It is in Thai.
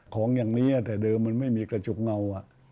ของอย่างนี้แต่เดิมมันไม่มีกระจุกเงา